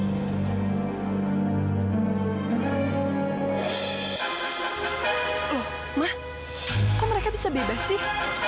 loh mah kok mereka bisa bebas sih